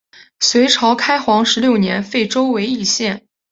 隋朝开皇十六年废州为易县。